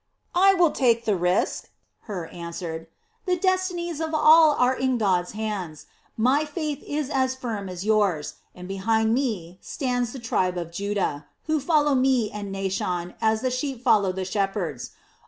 "I will take the risk," Hur answered. "The destinies of all are in God's hands, my faith is as firm as yours, and behind me stands the tribe of Judah, who follow me and Naashon as the sheep follow the shepherds.